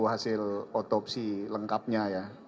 hasil otopsi lengkapnya